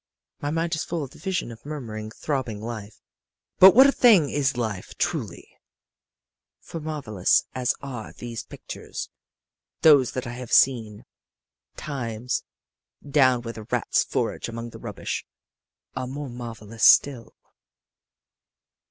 My mind is full of the vision of murmuring, throbbing life. "But what a thing is life, truly for marvelous as are these pictures, those that I have seen, times, down where the rats forage among the rubbish, are more marvelous still."